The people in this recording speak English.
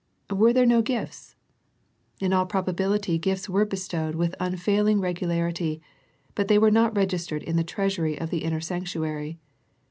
Were there no gifts ? In all probability gifts were bestowed with unfail ing regularity, but they were not registered in the treasury of the inner sanctuary.